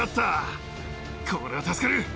これは助かる！